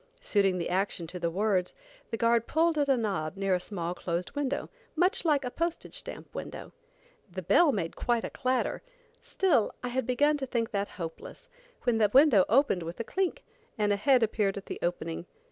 Suiting the action to the words, the guard pulled at a knob near a small closed window, much like a postage stamp window. The bell made quite a clatter, still I had begun to think that hopeless, when the window opened with a clink, and a head appeared at the opening.